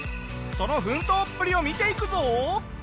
その奮闘っぷりを見ていくぞ！